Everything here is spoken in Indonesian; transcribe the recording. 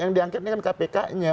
yang diangket ini kan kpk nya